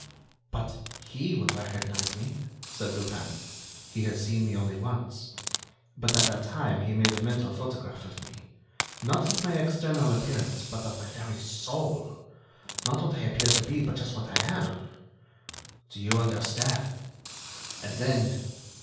"But he would recognize me," said Lupin. "He has seen me only once; but, at that time, he made a mental photograph of me—not of my external appearance but of my very soul—not what I appear to be but just what I am. Do you understand? And then